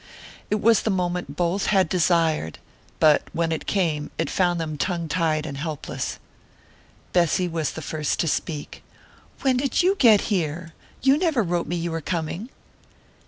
It was the moment both had desired, yet when it came it found them tongue tied and helpless. Bessy was the first to speak. "When did you get here? You never wrote me you were coming!"